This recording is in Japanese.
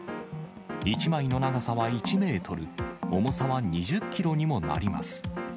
１枚の長さは１メートル、重さは２０キロにもなります。